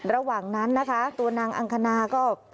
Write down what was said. ระหว่างนั้นนะคะตัวนางอังคณาก็